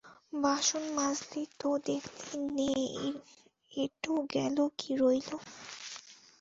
বাসন মজলি তো দেখলি নে এটো গেল কি রৈল?